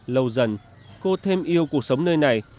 lâu dần cô thêm yêu cuộc sống nơi này